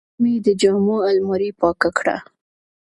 نن مې د جامو الماري پاکه کړه.